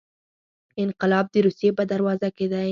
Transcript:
انقلاب د روسیې په دروازو کې دی.